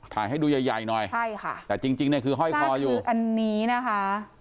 ถ่ายให้ดูใหญ่หน่อยแต่จริงคือห้อยคออยู่ใช่ค่ะหน้าคืออันนี้นะคะ